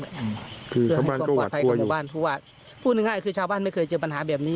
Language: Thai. เพื่อให้ความปลอดภัยกับหมู่บ้านผู้ว่าพูดง่ายคือชาวบ้านไม่เคยเจอปัญหาแบบนี้